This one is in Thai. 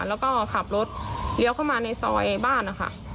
แล้วก็ขับรถเลี้ยวเข้ามาในซอยบ้านนะคะ